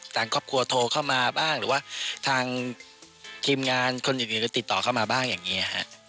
ทางครอบครัวโทรเข้ามาบ้างหรือว่าทางทีมงานคนอื่นก็ติดต่อเข้ามาบ้างอย่างนี้ฮะ